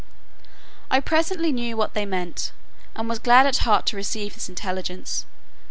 I presently knew what they meant, and was glad at heart to receive this intelligence.